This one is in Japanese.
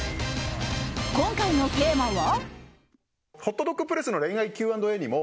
今回のテーマは。